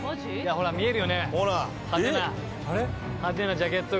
ほら見えるよね派手な。